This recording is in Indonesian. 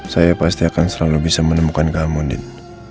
saya pasti akan selalu bisa menemukan kamu din